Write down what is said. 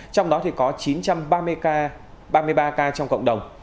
trong đó thì có chín trăm ba mươi ca ba mươi ba ca trong cộng đồng